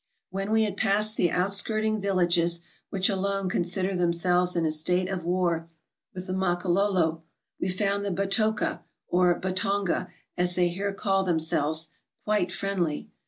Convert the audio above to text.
When we had passed the outskirting villages, which alone consider themselves in a state of war with the Mako lolo, we found the Batoka, or Batonga, as they here call themselves, quite friendly.